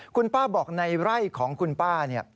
คุณป้าบอกในไร่ของคุณป้าเนี่ย